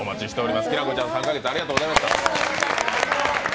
きらこちゃん、３か月ありがとうございました。